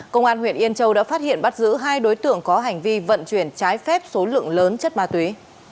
công an huyện yên châu đã phát hiện bắt giữ hai đối tượng có hành vi vận chuyển trái phép số lượng lớn chất ma túy